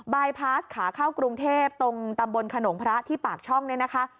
บายพาสขาเข้ากรุงเทพตรงตำบลขนงพระที่ปากช่องเนี่ยนะคะ